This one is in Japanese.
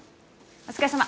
お疲れさま。